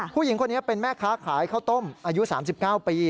ผู้หญิงคนนี้เป็นแม่ค้าขายข้าวต้มอายุ๓๙ปี